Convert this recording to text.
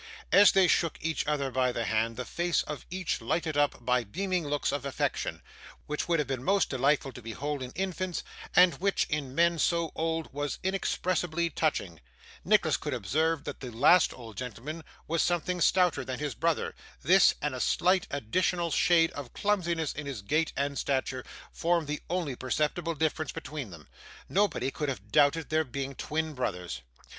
As they shook each other by the hand: the face of each lighted up by beaming looks of affection, which would have been most delightful to behold in infants, and which, in men so old, was inexpressibly touching: Nicholas could observe that the last old gentleman was something stouter than his brother; this, and a slight additional shade of clumsiness in his gait and stature, formed the only perceptible difference between them. Nobody could have doubted their being twin brothers.